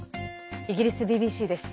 イギリスＢＢＣです。